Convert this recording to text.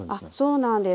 そうなんです。